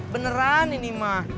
beneran ini mah